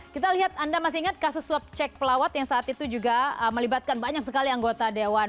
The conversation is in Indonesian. kita lihat anda masih ingat kasus swab cek pelawat yang saat itu juga melibatkan banyak sekali anggota dewan